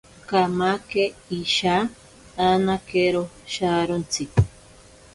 Kamake isha anakero sharontsi.